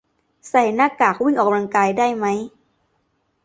ใส่หน้ากากวิ่งออกกำลังกายได้ไหม